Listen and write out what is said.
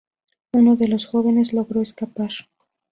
Uno de los jóvenes logró escapar.